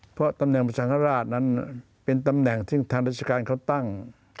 เพราะตำแหน่งพระสังฆราชนั้นเป็นตำแหน่งที่ทางราชการเขาตั้ง